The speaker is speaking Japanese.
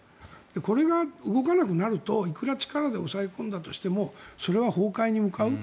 これが動かなくなるといくら力で抑え込んでも崩壊に向かう。